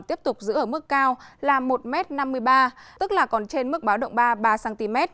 tiếp tục giữ ở mức cao là một m năm mươi ba tức là còn trên mức báo động ba ba cm